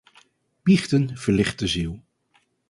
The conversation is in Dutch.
Biechten verlicht de ziel.